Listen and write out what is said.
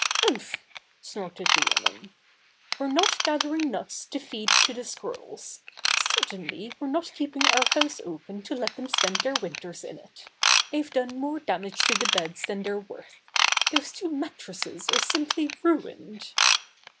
"Umph!" snorted the woman. "We're not gathering nuts to feed to the squirrels. Cer tainly we're not keeping our house open to let them spend their winters in it. They've done more damage to the beds than they're worth. Those two mattresses are simply ruined."